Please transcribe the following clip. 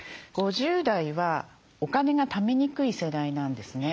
５０代はお金がためにくい世代なんですね。